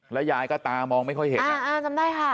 ยายก็ตามองไม่ค่อยเห็นจำได้ค่ะ